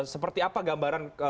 seperti apa gambaran